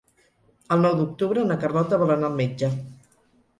El nou d'octubre na Carlota vol anar al metge.